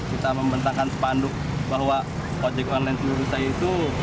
kita membentangkan sepanduk bahwa ojek online cibarusah itu